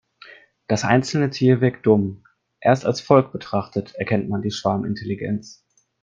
Das einzelne Tier wirkt dumm, erst als Volk betrachtet erkennt man die Schwarmintelligenz.